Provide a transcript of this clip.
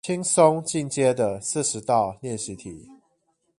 輕鬆進階的四十道練習題